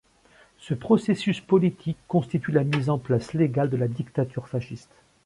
Ce processus politique constitue la mise en place légale de la dictature fasciste.